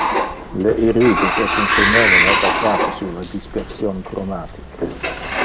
Le irides es un phenomeno basate sur le dispersion chromatic.